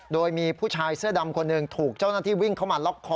โดยมีผู้ชายเสื้อดำคนหนึ่งถูกเจ้าหน้าที่วิ่งเข้ามาล็อกคอ